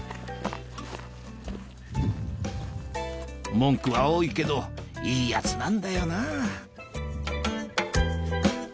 文句は多いけどいいヤツなんだよなぁ